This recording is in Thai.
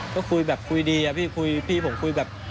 ก็คุยแบบคุยดีพี่ผมคุยแบบ